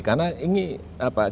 karena ini kita butuh kecepatan